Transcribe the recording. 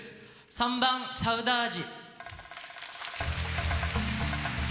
３番「サウダージ」。